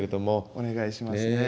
お願いしますねえ。